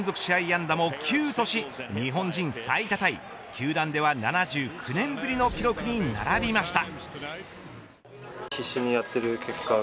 安打も９とし日本人最多タイ球団では７９年ぶりの記録に並びました。